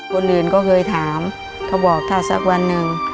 คนอื่นก็เคยถามเขาบอกถ้าสักวันหนึ่ง